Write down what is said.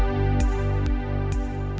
padat hingga kumuh